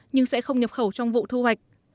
nhưng sẽ không nhập khẩu trong vụ thu hoạch